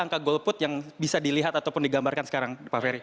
angka golput yang bisa dilihat ataupun digambarkan sekarang pak ferry